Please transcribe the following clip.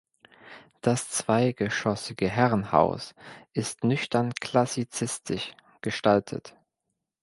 Das zweigeschossige Herrenhaus ist nüchtern klassizistisch gestaltet.